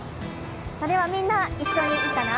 ではみんな一緒にいいかな。